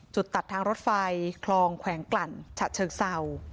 ตัดทางรถไฟคลองแขวงกลั่นฉะเชิงเศร้า